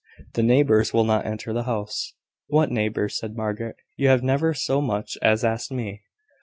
The neighbours will not enter the house." "What neighbours?" said Margaret. "You have never so much as asked me."